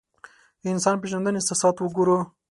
انسان پېژندنې اساسات وګورو.